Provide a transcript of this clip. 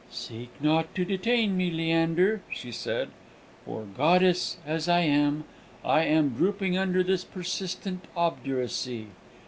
"Seek not to detain me, Leander," she said; "for, goddess as I am, I am drooping under this persistent obduracy.